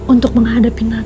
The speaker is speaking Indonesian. untuk menghadapi nagraj